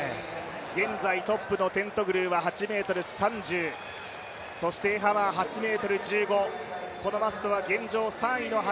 現在トップのテントグルは８ｍ３０、そしてエハマーは８ｍ１５、このマッソは現状